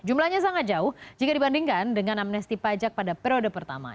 jumlahnya sangat jauh jika dibandingkan dengan amnesti pajak pada periode pertama